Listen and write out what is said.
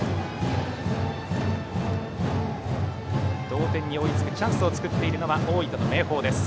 同点に追いつくチャンスを作っているのは、大分の明豊です。